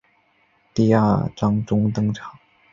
第二章中登场。